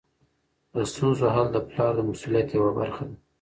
د ستونزو حل د پلار د مسؤلیت یوه برخه ده.